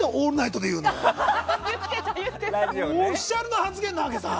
もうオフィシャルな発言なわけさ。